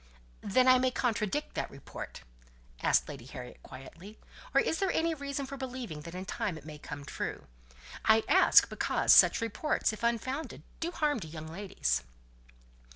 "Then I may contradict that report?" asked Lady Harriet quickly. "Or is there any reason for believing that in time it may come true? I ask because such reports, if unfounded, do harm to young ladies."